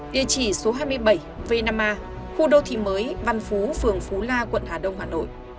địa chỉ số hai mươi bảy v năm a khu đô thị mới văn phú phường phú la quận hà đông hà nội